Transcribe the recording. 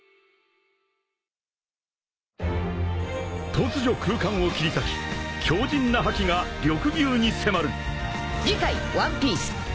［突如空間を切り裂き強靱な覇気が緑牛に迫る］